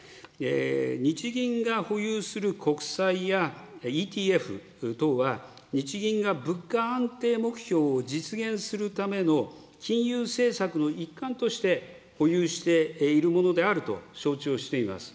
日銀が保有する国債やＥＴＦ等は、日銀が物価安定目標を実現するための金融政策の一環として保有しているものであると承知をしています。